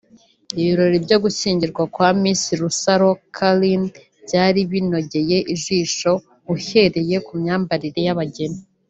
Ibirori byo gushyingirwa kwa Miss Rusaro Carine byari binogeye ijisho uhereye ku myambarire y’abageni